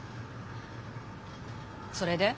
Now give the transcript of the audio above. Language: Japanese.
それで？